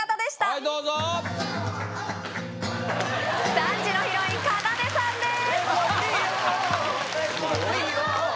はいどうぞ３時のヒロインかなでさんですははははっ